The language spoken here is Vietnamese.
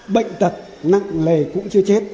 bệnh tật nặng lề cũng chưa chết